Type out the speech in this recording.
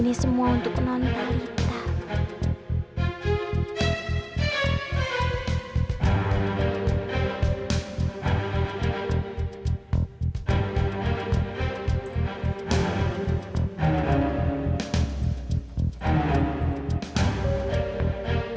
cepet banget aku nggak kenal di sini